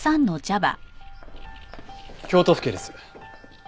京都府警です。